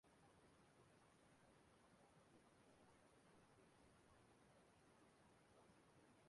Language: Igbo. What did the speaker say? ma kpee ka Chineke kwụghachi ha mmaji kwuru mmaji.